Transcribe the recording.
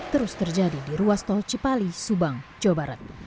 terus terjadi di ruas tol cipali subang jawa barat